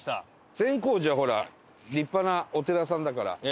善光寺はほら立派なお寺さんだから。